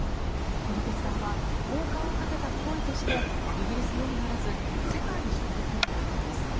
この決断は王冠をかけた恋としてイギリスのみならず世界に衝撃を与えたんです。